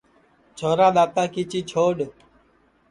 چھورا دؔاتا کیچی چھوڈؔ